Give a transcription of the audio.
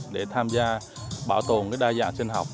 để tham gia bảo tồn đa dạng sinh học